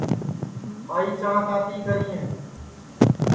ٻائی چاں تاتی کرئے